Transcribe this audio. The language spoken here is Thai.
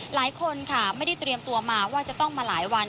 หลายคนค่ะไม่ได้เตรียมตัวมาว่าจะต้องมาหลายวัน